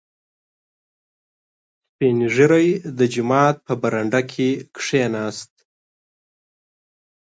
• سپین ږیری د جومات په برنډه کښېناست.